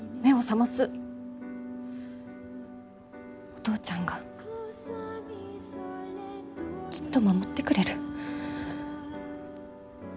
お父ちゃんがきっと守ってくれる。